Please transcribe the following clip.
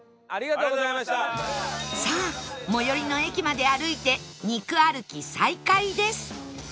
さあ最寄りの駅まで歩いて肉歩き再開です